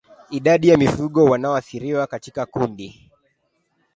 Idadi ya mifugo wanaoathiriwa katika kundi